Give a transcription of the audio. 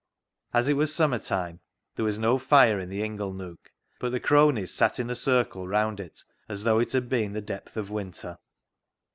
As it was summer time, there was no fire in the ingle nook, but the cronies sat in a circle round it as though it had been the depth of winter.